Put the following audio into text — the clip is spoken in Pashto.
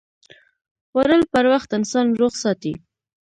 خوړل پر وخت انسان روغ ساتي